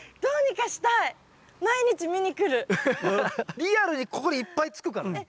リアルにここにいっぱいつくからね。